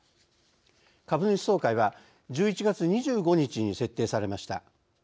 株主総会は１１月２５日に設定されました。